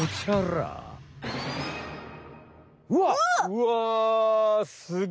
うわっ！